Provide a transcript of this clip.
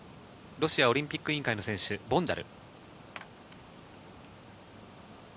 ロシアオリンピック委員会の選手、ボンダル。